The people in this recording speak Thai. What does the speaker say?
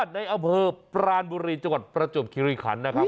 ในอำเภอปรานบุรีจังหวัดประจวบคิริขันนะครับ